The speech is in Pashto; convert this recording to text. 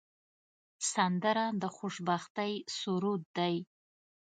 سندره د خوشبختۍ سرود دی